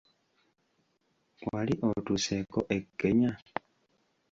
Wali otuuseeko e Kenya?